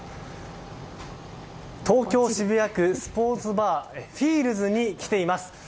東京・渋谷区のスポーツバーフィールズに来ています。